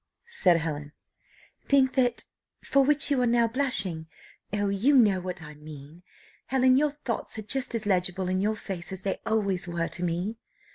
said Helen. "Think that for which you are now blushing. Oh, you know what I mean! Helen, your thoughts are just as legible in your face, as they always were to me.